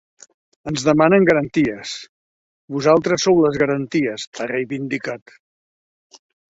Ens demanen garanties: vosaltres sou les garanties, ha reivindicat.